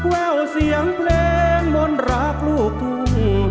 แววเสียงเพลงมนต์รักลูกทุ่ง